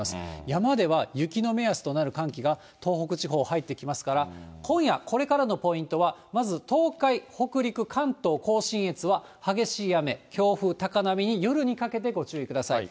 山では雪の目安となる寒気が、東北地方入ってきますから、今夜、これからのポイントは、まず東海、北陸、関東甲信越は、激しい雨、強風、高波に夜にかけて、ご注意ください。